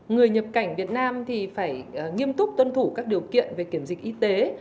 người nhập cảnh việt nam thì phải nghiêm túc tuân thủ các điều kiện về kiểm dịch y tế